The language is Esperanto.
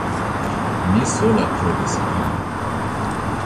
Mi sola trovis ilin.